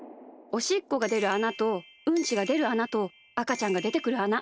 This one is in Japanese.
おしっこがでるあなとうんちがでるあなとあかちゃんがでてくるあな。